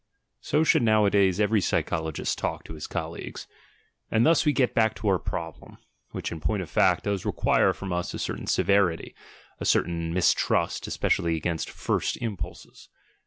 So should nowadays every psychologist talk to his colleagues. And thus we get back to our problem, which in point of fact does require from us a certain severity, a certain mistrust especially against "first impulses."